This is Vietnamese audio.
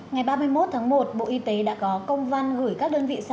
ngày ba mươi một tháng một bộ y tế đã có công văn gửi các đơn vị sản xuất